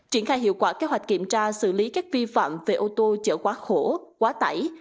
triển khai hiệu quả kế hoạch kiểm tra xử lý các vi phạm về ô tô chở quá khổ quá tải